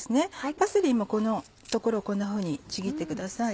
パセリもこの所をこんなふうにちぎってください。